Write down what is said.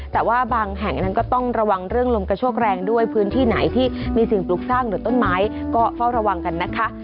แต่ว่าบางแห่งนั้นก็ต้องระวังเรื่องลมกระโชกแรงด้วยพื้นที่ไหนที่มีสิ่งปลูกสร้างหรือต้นไม้ก็เฝ้าระวังกันนะคะ